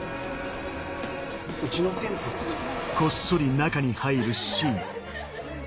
うちの店舗にですか？